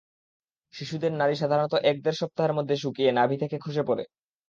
শিশুদের নাড়ি সাধারণত এক-দেড় সপ্তাহের মধ্যে শুকিয়ে নাভি থেকে খসে পড়ে।